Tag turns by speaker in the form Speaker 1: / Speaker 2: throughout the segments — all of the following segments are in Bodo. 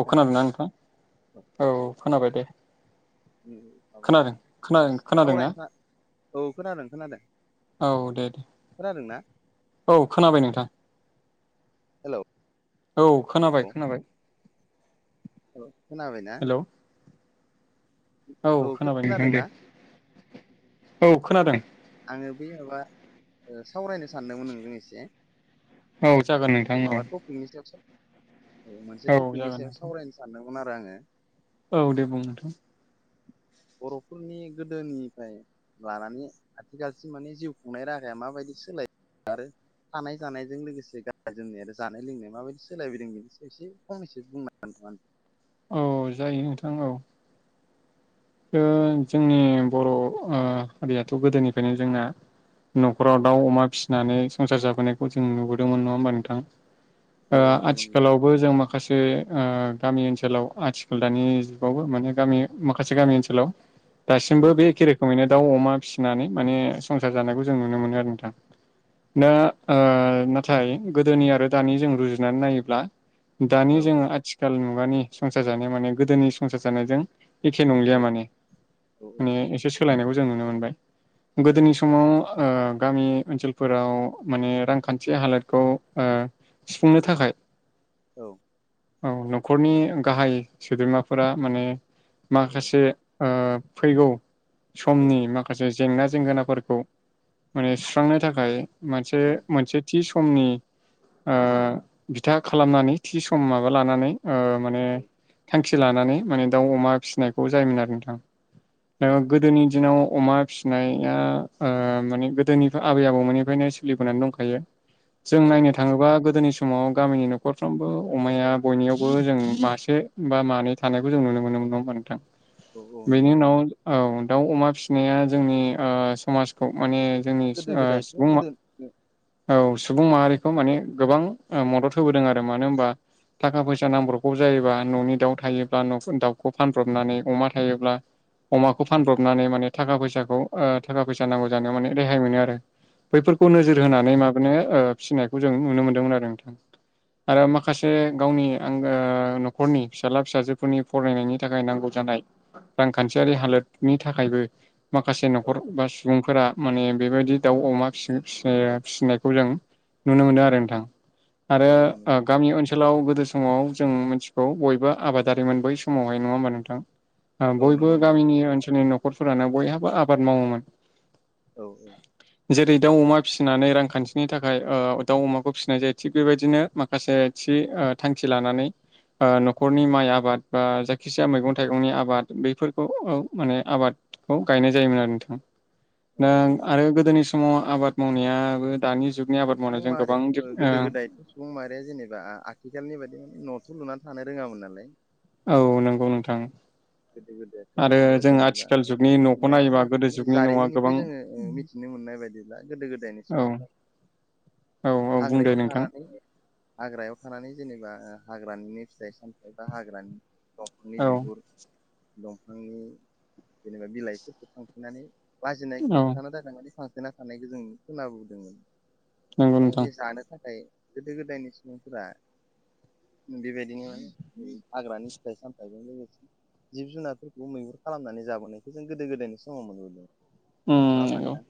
Speaker 1: औ खोनादोंना नोंथां? औ खोनाबाय दे
Speaker 2: माबा
Speaker 1: खोनादों खोनादों खोनादोंना
Speaker 2: सावरायनो [unintelligible] औ खोनादों खोनादों।
Speaker 1: औ दे दे
Speaker 2: खोनादोंना
Speaker 1: औ खोनाबाय नोंथां।
Speaker 2: हेलौ
Speaker 1: औ खोनाबाय खोनाबाय
Speaker 2: औ खोनाबायना?
Speaker 1: हेलौ औ खोनाबाय नोंथां दे औ खोनादों।
Speaker 2: बे माबा सावरायनो सानदोंमोन नों जों एसे
Speaker 1: औ जागोन नोंथां औ
Speaker 2: माबा टपिकनि सायाव औ मोनसे
Speaker 1: औ
Speaker 2: टपिकनि
Speaker 1: जागोन
Speaker 2: सायाव
Speaker 1: नोंथां
Speaker 2: सावरायनो सानदोंमोन आरो आङो
Speaker 1: औ दे बुं नोथां
Speaker 2: बर'फोरनि गोदोनिफ्राय लानानै आथिखालसि माने जिउ खुंनाय राहाया माबायदि सोलाय आरो- थानाय जानायजों लोगोसे गान जोमनाय आरो जानाय लोंनाय माबायदि सोलायबोदों बे एसे फंनैसो बुंनानै [inaudible]
Speaker 1: औ जायो नोंथां औ। ओ जोंनि बर' हारियाथ' गोदोनिफ्रायनो जोंना न'खराव दाउ अमा फिसिनानै संसार जाबोनायखौ जों नुबोदोंमोन नङा होमबा नोंथां।
Speaker 2: औ औ नंगौ नंगौ
Speaker 1: आथिखालावबो जों माखासे ओ गामि ओनसोलाव आथिखाल दानि जुगावबो माने गामि माखासे गामि ओनसोलाव
Speaker 2: औ
Speaker 1: दासिमबो बे एखे रोखोमैनो दाउ अमा फिसिनानै माने संसार जानायखौ जों नुनो मोनो आरो नोंथां। दा नाथाय गोदोनि आरो दानि जों रुजुनानै नायोब्ला दानि
Speaker 2: औ
Speaker 1: जोङो आथिखाल मुगानि संसार जानाय माने गोदोनि संसार जानायजों एखे
Speaker 2: औ
Speaker 1: नंलिया माने
Speaker 2: औ
Speaker 1: माने एसे सोलायनायखौ जों नुनो मोनबाय
Speaker 2: औ
Speaker 1: गोदोनि समाव ओ गामि ओनसोलफोराव माने रांखान्थि हालोदखौ ओ। सुफुंनो थाखाय।
Speaker 2: औ।
Speaker 1: औ न'खरनि गाहाय सोद्रोमाफोरा माने
Speaker 2: औ
Speaker 1: माखासे फैगौ
Speaker 2: औ
Speaker 1: समनि माखासे जेंना जेंगोनाफोरखौ माने सुस्रांनो थाखाय मोनसे
Speaker 2: औ
Speaker 1: मोनसे थि समनि ओ बिथा खालामनानै थि सम माबा लानानै ओ माने थांखि लानानै माने दाउ अमा फिसिनायखौ जायोमोन आरो नोंथां।
Speaker 2: औ
Speaker 1: गोदोनि दिनाव अमा फिसिनाया माने गोदोनि आबै आबौमोननिफ्रायनो सोलिबोनानैनो दंखायो जों
Speaker 2: औ
Speaker 1: नायनो थाङोबा गोदोनि समाव गामिनि न'खरफ्रोमबो अमाया बयनियावबो जों मासे बा मानै थानायखौ जों नुनो मोनोम मोनदों
Speaker 2: औ नंगौ
Speaker 1: बेनि
Speaker 2: नंगौ
Speaker 1: उनाव औ। दाउ अमा फिसिनाया जोंनि समाजखौ माने जोंनि
Speaker 2: गोदो
Speaker 1: ओ
Speaker 2: गोदायथ'
Speaker 1: सुबुं
Speaker 2: गोदो औ
Speaker 1: औ सुबुं माहारिखौ माने गोबां मदद होबोदों आरो मानो होनबा थाखा फैसा नांब्रगौ जायोबा न'नि दाउ थायोब्ला दाउखौ फान ब्रनानै अमा थायोब्ला अमाखौ फानब्रबनानै माने थाखा फैसाखौ थाखा फैसा नांगौ
Speaker 2: औ
Speaker 1: जानो माने रेहाय मोनो आरो। बैफोरखौ नोजोर
Speaker 2: औ
Speaker 1: होनानै माबानो फिसिनायखौ जों नुनो मोन्दोंमोन आरो नोंथां। आरो माखासे गावनि आंगो न'खरनि फिसाला फिसाजोफोरनि फरायनायनि थाखाय नांगौ जानाय रांखान्थियारि हालोदनि थाखायबो माखासे
Speaker 2: औ
Speaker 1: न'खर बा सुबुंफोरा माने बेबायदि दाउ अमा फिसि फिसिनायखौ जों नुनो मोनो आरो नोंथां आरो
Speaker 2: औ औ नंगौ
Speaker 1: गामि ओनसोलाव। गोदो समाव जों मिथिगौ बयबो आबादारिमोन बै समावहाय नङा होमबा नोंथां।
Speaker 2: औ
Speaker 1: बयबो
Speaker 2: नंगौ नंगौ
Speaker 1: गामिनि ओनसोलनि न'खरफोरानो बयहाबो आबाद मावोमोन।
Speaker 2: औ औ।
Speaker 1: जेरै दाउ अमा फिसिनानै रांखान्थिनि थाखाय दाउ अमाखौ फिसिनाय जायो थिग बेबायदिनो माखासे थांखि लानानै न'खरनि माइ आबाद बा जाय खिजाया मैगं थाइगंनि आबाद बेफोरखौ माने आबादखौ गायनाय जायोमोन आरो नोंथां।
Speaker 2: औ
Speaker 1: दा
Speaker 2: औ नंगौ
Speaker 1: आरो गोदोनि समाव आबाद मावनायाबो दानि जुग
Speaker 2: सुबुं माहारियाथ' गोदो गोदायथ' सुबुं माहारिया जेनेबा आथिखालनि बायदि माने नर्थ बेु लुनानै थानो रोङामोन नालाय।
Speaker 1: औ नंगौ नोंथां।
Speaker 2: गोदो
Speaker 1: आरो
Speaker 2: गोदायथ'
Speaker 1: जों
Speaker 2: जेनेबा
Speaker 1: आथिखाल
Speaker 2: जों
Speaker 1: जुगनि न'खौ
Speaker 2: मिथिनाय
Speaker 1: नायोबा
Speaker 2: समनि
Speaker 1: गोदो
Speaker 2: माने
Speaker 1: जुगनि न'आ गोबां
Speaker 2: जारिमिननिफ्राय जोङो मिथि बिनो मोननाय बायदिब्ला गोदो गोदायनि सुबुंफ्रा
Speaker 1: [inaudible] औ औ बुंदो
Speaker 2: हाग्रायाव
Speaker 1: नोंथां
Speaker 2: थानानै हाग्रायाव थानानै जेनेबा ओ हाग्रानि फिथाइ सामथायाइ बा हाग्रानि
Speaker 1: औ
Speaker 2: दखरनि बिगुर दंफांनि जेनेबा बिलाइफोरखौ फांफिनानै लाजिनायखौ
Speaker 1: औ
Speaker 2: होबथानो थाखाय माने फां थेना साननायखौ जों खोनाबोदोंमोन
Speaker 1: नंगौ
Speaker 2: आरो
Speaker 1: नोंथां
Speaker 2: नै जानो थाखाय गोदो गोदायनि सुबुंफोरा बेबायदिनो हाग्रानि फिथाइ सामथायाइजों लोगोसे जिब जुनारफोरखौ मैहुर खालामनानै जाबोनायखौ जों गोदो गोदायनि समाव मोनबोदों नङा होमबा
Speaker 1: नंगौ
Speaker 2: नोंथां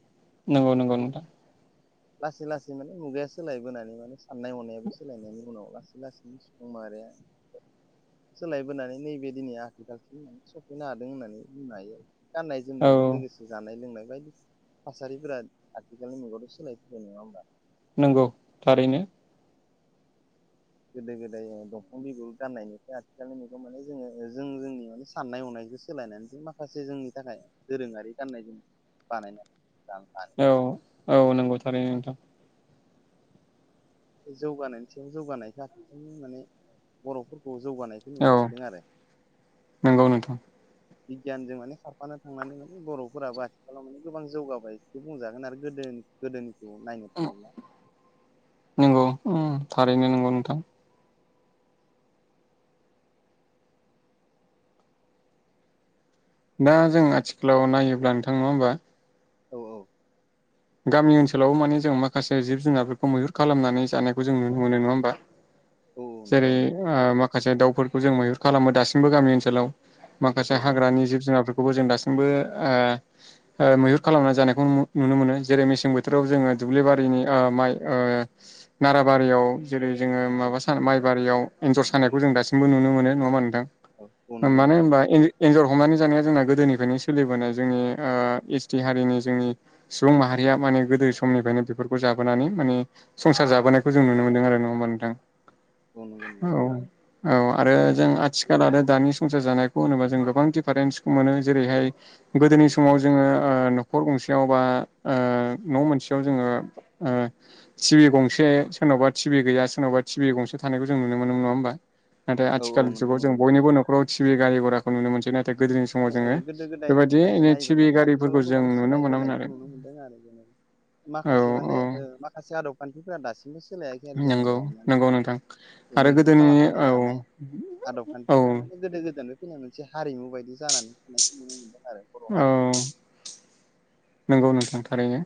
Speaker 1: नंगौ नंगौ नोंथां
Speaker 2: लासै लासै माने मुगाया सोलायबोनानै माने साननाय हनायाबो सोलायनायनि उनाव लासै लासैनो सुबुं माहारिया सोलायबोनानै नैबे दिनैया सफैनो हादों होननानै बुंनो हायो गाननाय जोमनायजों
Speaker 1: औ
Speaker 2: लोगोसे जानाय लोंनाय बेबायदि थासारिफोरा आथिखालनि मुगायावथ' सोलायफैबाय नङा होमबा
Speaker 1: नंगौ थारैनो
Speaker 2: गोदो गोदाय दंफां बिगुर गाननायनायनिफ्राय आथिखालनि मुगायाव माने जोङो जों जोंनि माने साननाय हनाय सोलायनानै जों माखासे जोंनि थाखाय दोरोङारि गाननाय जोम बानायनाय
Speaker 1: औ औ नंगौथारै नोंथां।
Speaker 2: बे जौगानायनि सायाव जौगानायखौनो माने बर'फोरखौ जौगानायखौ नुनो
Speaker 1: औ
Speaker 2: मोनदों आरो।
Speaker 1: नंगौ नोंथां
Speaker 2: बिगियानजों माने खारफानो थांनानै माने बर'फोराबो आथिखालाव माने गोबां जौगाबाय बिखौ बुंजागोन आरो गोदो गोदोनिखौ नायनो थाङोब्ला
Speaker 1: नंगौ उम थारैनो नंगौ नोंथां। दा जों आथिखालाव नायोब्ला नोंथां नङा होमबा
Speaker 2: औ औ।
Speaker 1: गामि ओनसोलावबो माने जों माखासे जिब जुनारफोरखौ मैहुर खालामनानै जानायखौ जों नुनो मोनो नङा होमबा।
Speaker 2: औ नंगौ
Speaker 1: जेरै
Speaker 2: नंगौ
Speaker 1: माखासे दाउफोरखौ जों मैहुर खालामो दासिमबो गामि ओनसोलाव।
Speaker 2: औ
Speaker 1: माखासे हाग्रानि जिब जुनारफोरखौ। खौबो जों दासिमबो मैहुर खालामना जानायखौ नुनो मोनो। जेरै मेसें बोथोराव जोङो दुब्लि बारिनि माइ नाराबारियाव जेरै जोङो
Speaker 2: औ
Speaker 1: माबा सा माइबारियाव एन्जर सानायखौ जों दासिमबो नुनो मोनो नङा मा नोंथां।
Speaker 2: औ औ नंगौ
Speaker 1: मानो
Speaker 2: नंगौ
Speaker 1: होनबा एन्जर हमनानै जानाया जोंना गोदोनिफ्रायनो सोलिबोनाय जोंनि ओ एस टि हारिनि जोंनि सुबुं माहारि रिया माने गोदो समनिफ्रायनो बेफोरखौ जाबोनानै माने संसार जाबोनायखौ जों नुनो मोनदों आरो नङा होमबा नोंथां।
Speaker 2: नंगौ
Speaker 1: औ
Speaker 2: नंगौ
Speaker 1: औ आरो जों आथिखाल आरो दानिसाव संसार जानायखौ होनोबा जों गोबां दिफारेन्स मोनो जेरैहाय
Speaker 2: औ
Speaker 1: गोदोनि समाव जोङो न'खर गंसेयाव बा ओ न' मोनसेयाव जोङो टि भि गंसे सोरनावबा टि भि गैया सोरनावबा टिभि गंसे थानायखौ जों नुनो मोनोन नङा होमबा नाथाय
Speaker 2: औ औ
Speaker 1: आथिखाल
Speaker 2: नंगौ
Speaker 1: जुगाव जों
Speaker 2: नंगौ
Speaker 1: बयनिबो नखराव टिभि गारि घराखौ नुनो मोनसै नाथाय। गोदोनि समाव
Speaker 2: माने ओ,
Speaker 1: जोङो
Speaker 2: गोदो गोदायनिफ्राय
Speaker 1: बेबायदि
Speaker 2: नायोबा
Speaker 1: टिभि
Speaker 2: माने आथिखालाव
Speaker 1: गारिफोरखौ जों
Speaker 2: गोबां
Speaker 1: नुनो मोनामोन
Speaker 2: सोलायबोनायखौ
Speaker 1: आरो।
Speaker 2: नुनो मोनदों
Speaker 1: औ
Speaker 2: माखासे
Speaker 1: औ
Speaker 2: माने माखासे आदब खान्थिफोरा दासिम
Speaker 1: नंगौ नंगौ नोंथां आरो
Speaker 2: मैहुर
Speaker 1: गोदोनि
Speaker 2: खालामनानै
Speaker 1: औ।
Speaker 2: जानाय आदब
Speaker 1: औ
Speaker 2: खान्थिफोरा माने गोदो गोदोन मोनसे हारिमु बायदि जानानै थानायखौ नु मोनदों आरो बर' हारि
Speaker 1: औ नंगौ नोंथां थारैनो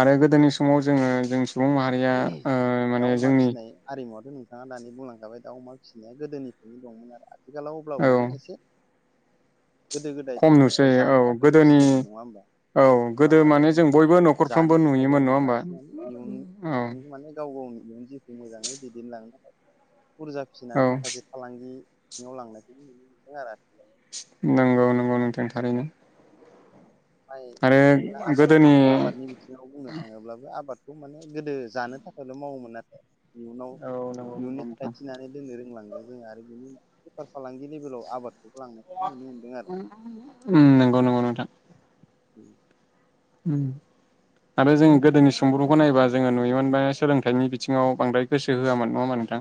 Speaker 1: आरो गोदोनि समाव जोङो जों सुबुं माहारिया ओ
Speaker 2: दाउ
Speaker 1: माने
Speaker 2: अमा
Speaker 1: जोंनि
Speaker 2: फिसिनाय आरिमुवाथ' नोंथाङा दानि बुंलांखाबाय दा अमा फिसिनाया गोदोनिफ्रायनो दंमोन आरो आथिखालाव
Speaker 1: औ
Speaker 2: अब्लाबो माने एसे गोदो
Speaker 1: खम
Speaker 2: गोदायथ' माने
Speaker 1: नुसै औ
Speaker 2: जानो थाखायथ'
Speaker 1: गोदोनि
Speaker 2: फिसियोमोन नङा होमबा
Speaker 1: औ
Speaker 2: आथिखालाव
Speaker 1: गोदो
Speaker 2: आरो
Speaker 1: माने जों
Speaker 2: जेनेबा
Speaker 1: बयबो न'खरफ्रामबो नुयोमोन नङा होमबा औ
Speaker 2: बेयाव माने गाव गावनि इयुन जिउखौ मोजाङै दैदेनलांनो थाखाय बुरजा
Speaker 1: औ
Speaker 2: फिसिनानै माखासे फालांगि बिथिङाव लांनायखौबो नुनो मोनदों आरोखि
Speaker 1: नंगौ नंगौ नोंथां थारैनो!
Speaker 2: माइ
Speaker 1: आरो
Speaker 2: म आबाद
Speaker 1: गोदोनि
Speaker 2: आबादनि बिथिङाव बुंनो थाङोब्लाबो आबाद बेखौ माने गोदो जानो थाखायल मावोमोन आरो। इयुनाव
Speaker 1: औ नंगौ नंगौ
Speaker 2: इयुननि
Speaker 1: नोंथां
Speaker 2: थाखाय थिनानै दोननो रोंलङो जों आरो बिनि बेफार फालांगि लेभेलाव आबाद
Speaker 1: उम नंगौ नंगौ नोंथां
Speaker 2: उ
Speaker 1: उ आरो जों गोदोनि समब्रखौ नायबा जोङो नुयोमोनबा सोलोंथाइनि बिथिङाव बांद्राय गोसो होआमोन नङा होनबा [unintelligible] नोंथां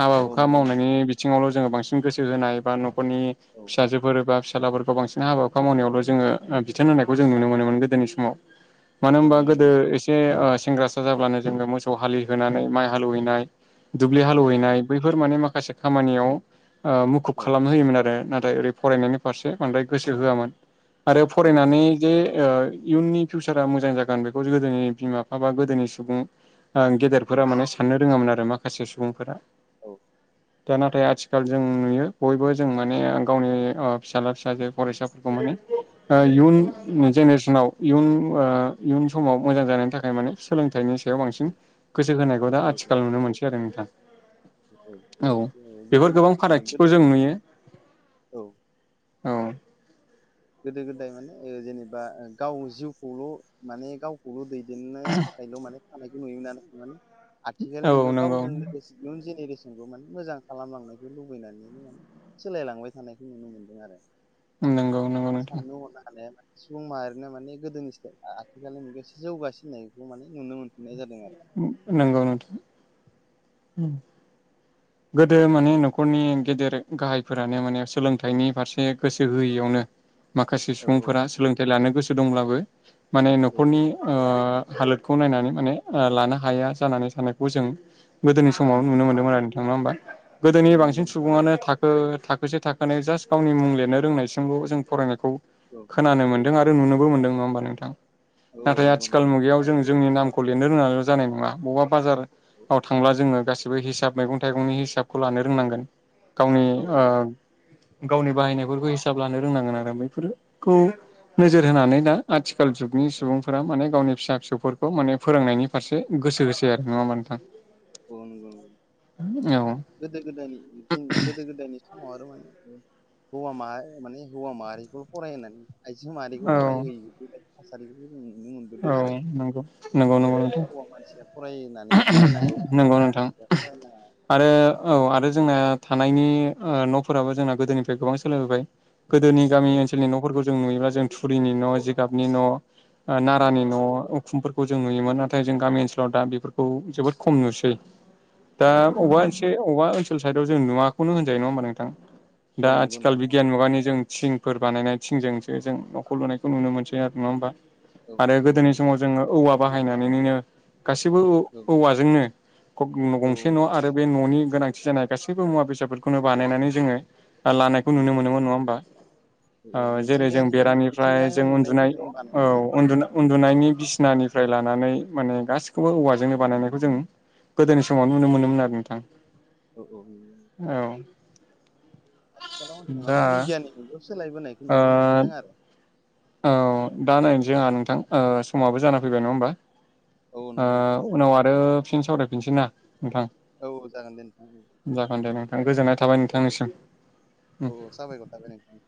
Speaker 1: हाबा
Speaker 2: औ
Speaker 1: हुखा
Speaker 2: नंगौ
Speaker 1: मावनायनि
Speaker 2: नंगौ
Speaker 1: बिथिङावल जोङो बांसिन गोसो होनाय एबा नखरनि
Speaker 2: औ
Speaker 1: फिसाजोफोर एबा फिसालाफोरखौ बांसिन हाबा हुखा मावनायावल' जोङो बिथोन होनायखौ जों नुनो मोनोमोन गोदोनि समाव मानो होनबा
Speaker 2: औ नंगौ
Speaker 1: गोदो
Speaker 2: नंगौ
Speaker 1: एसे ओ सेंग्रासा जाब्लानो जोङो मोसौ हालिहोनानै माइ हालौवहैनाय दुब्लि
Speaker 2: औ
Speaker 1: हालेवहैनाय बैफोर माने माखासे खामानियाव ओ मुखुब
Speaker 2: औ
Speaker 1: खालाम होयोमोन आरो नाथ ओरै फरायनायनि फारसे बांद्राय गोसो होआमोन आरो
Speaker 2: औ औ
Speaker 1: फरायनानै जे ओ इयुननि फिउचारा मोजां जागोन बेखौ गोदोनि बिमा बिफा बा गोदोनि सुबुं ओं गेदेरफोरा
Speaker 2: औ
Speaker 1: माने साननो रोङामोन आरो माखासे सुबुंफोरा
Speaker 2: औ
Speaker 1: दा नाथाय आथिखाल जों नुयो बयबो जों माने गावनि ओ फिसाला फिसाजो फरायसाफोरखौ मो ओ
Speaker 2: औ
Speaker 1: इयुन जेनेरेसनाव इयुन ओ इयुन समाव मोजां जानायनि थाखाय माने सोलोंथाइनि सायाव
Speaker 2: औ
Speaker 1: बांसिन गोसो होनायखौ दा
Speaker 2: औ
Speaker 1: आथिखाल नुनो मोनसै आरो नोंथां।
Speaker 2: [unintelligible]
Speaker 1: औ
Speaker 2: गोदो
Speaker 1: बेफोर गोबां
Speaker 2: औ
Speaker 1: फारागथिखौ
Speaker 2: गोदो
Speaker 1: जों नुयो
Speaker 2: औ
Speaker 1: औ
Speaker 2: गोदो गोदाय माने ओ जेनेबा गाव जिउखौल' माने गावखौल' दै [unintelligible] नो थाखायल माने थानायखौ नुयोमोन आरो माने आथिखालनि
Speaker 1: औ
Speaker 2: मुगायाव
Speaker 1: नंगौ
Speaker 2: गावजों इयुन जेनेरेस जों माने मोजां खालामलांनायखौ लुबैनानैनो माने सोलायलांबाय थानायखौ नुनो मोनदों आरो
Speaker 1: नंगौ नंगौ नोंथां
Speaker 2: साननो होनो हानायानो सुबुं माहारिनो माने गोदोनि साइ आथिखालनि मुगायाव जौगासिननायखौ माने नुनो मोनफिननाय जादों आरो
Speaker 1: नंगौ नोंथां उम गोदो माने नखरनि गेदेर गाहायफोरानो माने सोलोंथाइनि फारसे गोसो होयैयावनो माखासे
Speaker 2: औ
Speaker 1: सुबुंफोरा
Speaker 2: औ
Speaker 1: सोलोंथाइ लानो गोसो दंब्लाबो माने
Speaker 2: औ
Speaker 1: नखरनि ओ हालोदखौ नायनानै माने ओ लानो हाया जानानै साननायखौ जों गोदोनि समाव नुनो मोन्दों आरो नङा होमबा
Speaker 2: औ
Speaker 1: गोदोनि बांसिन
Speaker 2: नंगौ नोंथां औ
Speaker 1: सुबुङानो थाखो थाखोसे थाखोनै जास्ट गावनि मुं लिरनो रोंनायसिमल' जों फरायनायखौ
Speaker 2: औ
Speaker 1: खोनानो मोन दों आरो नुनोबो मोनदों नङा होनबा नोंथां आरो
Speaker 2: औ नंगौ
Speaker 1: आथिखाल
Speaker 2: नंगौ
Speaker 1: मुगायाव जों जोंनि नामखौ लिरनो रोंनानैल' जानाय नङा बबेबा
Speaker 2: औ
Speaker 1: बाजाराव थांब्ला जोङो गासिबो हिसाब मैगं थाइगंनि हिसाबखौ लानो रोंनांगोन गावनि
Speaker 2: औ
Speaker 1: ओ गावनि बाहायनायफोरखौ हिसाब लानो रोंनांगोन आरो बेैफोरखौ नोजोर होनानै दा आथिख आथिखाल जुगनि
Speaker 2: औ
Speaker 1: सुबुंफोरा माने गावनि फिसा फिसौफोरखौ माने फोरोंनायनि फारसे गोसो होस [unintelligible] नङा होनबा नोंथां
Speaker 2: औ नंगौ नंगौ
Speaker 1: औ
Speaker 2: गोदो गोदायनि दिं गोदो गोदायनि [unintelligible] हौवा माहा माने हौवा माहारिखौ फराय होननानै आइजो मारिखौ
Speaker 1: औ
Speaker 2: फरायहोयि बेबायदि थासारि
Speaker 1: औ नंगौ नंगौ नंगौ नोंथां
Speaker 2: हौवा मानसिया फरायनानै फरायनांगौ आरो
Speaker 1: नंगौ
Speaker 2: हिनजाव
Speaker 1: नोंथां
Speaker 2: मानसिया फरायनाङा
Speaker 1: आरो औ आरो जोंना थानायनि ओ न'फोराबो जोंना गोदोनिफ्राय गोबां सोलायबोबाय गोदोनि गामि
Speaker 2: औ
Speaker 1: ओनसोलनि न'फोरखौ जों नुयोब्ला जों थुरुलिनि न' जिगाबनि न' नारानि
Speaker 2: औ
Speaker 1: न' खुमफोरखौ जों नुयोमोन नाथाय जों गामि ओनसोलाव दा बेफोरखौ जोबोद खम नुसै दा
Speaker 2: औ औ
Speaker 1: अबा
Speaker 2: नंगौ
Speaker 1: एसे अबा ओनसोल साइदआव जों नुवाखौनो होनजायो नङा होमबा नोंथां दा
Speaker 2: औ नंगौ
Speaker 1: आथिखाल
Speaker 2: नोंथां
Speaker 1: बिगियान मुगानि जों थिंफोर बानायनाय थिंजोंसो जों न'खौ लुनायखौ नुनो मोनसै आरो नङा होमबा
Speaker 2: औ
Speaker 1: आरो
Speaker 2: औ
Speaker 1: गोदोनि
Speaker 2: नंगौ
Speaker 1: समाव जोङो औवा बाहायनानैनो गासैबो
Speaker 2: औ
Speaker 1: औवाजोंनो
Speaker 2: औ
Speaker 1: गंसे न' आरो बे न'नि गोनांथि जानाय गासैबो मुवा बेसादफोरखौनो बानायनानै जोङो लानायखौ नुनो मोनोमोन नङा होमबा
Speaker 2: औ औ
Speaker 1: जेरै जों
Speaker 2: मिथिंगायारि
Speaker 1: बेरा
Speaker 2: माने
Speaker 1: निफ्राय
Speaker 2: मिथिंगायाव
Speaker 1: जों उन्दुनाय
Speaker 2: मोननायफोरजोंनो
Speaker 1: औ
Speaker 2: बानायदों आरो
Speaker 1: उन्दुनो उन्दुनायनि बिसिनानिफ्राय लानानै माने गासिखौबो औवाजोंनो बानायनाय जों गोदोनि समाव नुनो मोनोमोन आरो नोंथां
Speaker 2: औ औ
Speaker 1: औ
Speaker 2: आथिखालाव
Speaker 1: दा
Speaker 2: माने बिगियाननि मुगायाव सोलायबोनायखौ
Speaker 1: ओ
Speaker 2: नुनो मोनबोदों आरो
Speaker 1: औ दा नायनोसै आंहा नोंथां समाबो जाना फैबाय नङा होमबा
Speaker 2: औ
Speaker 1: ओ
Speaker 2: नंगौ नोंथां औ
Speaker 1: उनाव आरो फिन सावरायफिनसै ना नोंथां
Speaker 2: औ औ जागोन दे नोंथां
Speaker 1: जागोन दे नों
Speaker 2: औ बे औ साबायखर थाबाय नोंथां